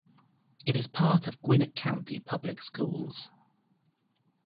It is a part of Gwinnett County Public Schools.